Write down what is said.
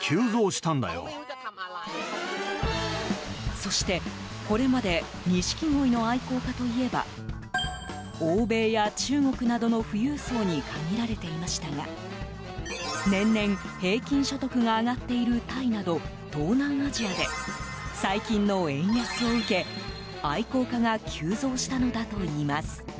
そして、これまでニシキゴイの愛好家といえば欧米や中国などの富裕層に限られていましたが年々、平均所得が上がっているタイなど東南アジアで最近の円安を受け愛好家が急増したのだといいます。